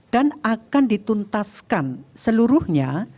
dan akan dituntaskan seluruhnya